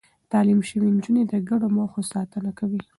تعليم شوې نجونې د ګډو موخو ساتنه کوي.